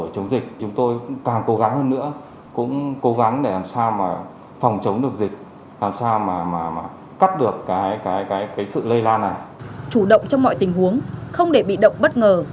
chủ động trong mọi tình huống không để bị động bất ngờ